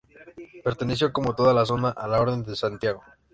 Perteneció, como toda la zona, a la Orden de Santiago.